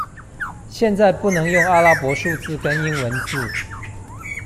現在不能用阿拉伯數字跟英文字